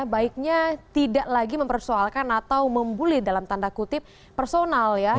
baiknya tidak lagi mempersoalkan atau membuli dalam tanda kutip personal ya